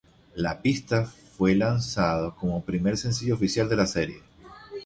La pista fue lanzado como primer sencillo oficial de la serie.